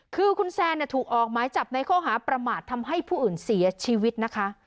คือคุณแซนถูกออกหมายจับในข้อหาประมาททำให้ผู้อื่นเสียชีวิตนะคะ